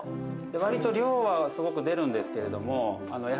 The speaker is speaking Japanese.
割と量はすごく出るんですけれども。